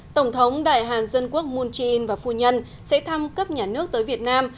tổng thống đại hàn dân quốc moon jae in và phu nhân sẽ thăm cấp nhà nước tới việt nam